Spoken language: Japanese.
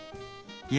いや。